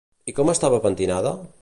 I com estava pentinada?